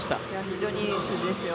非常にいい数字ですよ。